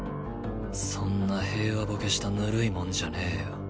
そんな平和ボケしたぬるいもんじゃねえよ。